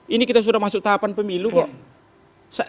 ini kita sudah masuk tahapan pemilu kok